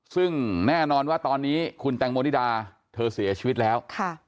ซึ่งแน่นอนว่าตอนนี้คุณแตงโมนิดาเธอเสียชีวิตแล้ว